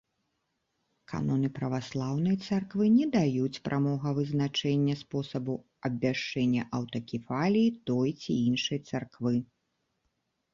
Каноны праваслаўнай царквы не даюць прамога вызначэння спосабу абвяшчэння аўтакефаліі той ці іншай царквы.